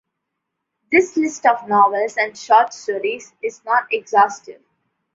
This list of novels and short stories is not exhaustive.